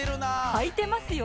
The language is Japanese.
はいてますよ